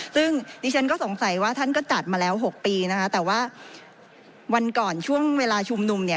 ซึ่งดิฉันก็สงสัยว่าท่านก็จัดมาแล้ว๖ปีนะคะแต่ว่าวันก่อนช่วงเวลาชุมนุมเนี่ย